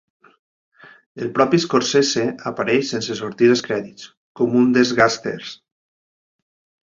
El propi Scorsese apareix, sense sortir als crèdits, com un dels gàngsters.